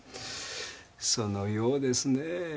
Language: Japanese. そのようですね。